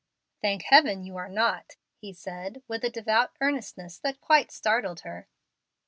"Thank Heaven you are not!" he said, with a devout earnestness that quite startled her.